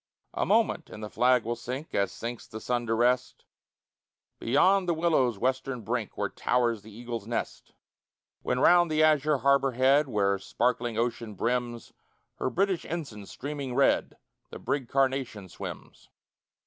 A moment, and the flag will sink As sinks the sun to rest Beyond the billows' western brink Where towers the Eagle's nest, When round the azure harbor head Where sparkling ocean brims, Her British ensign streaming red, The brig Carnation swims.